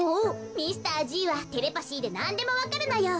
ミスターＧはテレパシーでなんでもわかるのよ。